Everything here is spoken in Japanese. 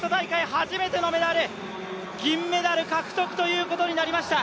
初めてのメダル、銀メダル獲得ということになりました。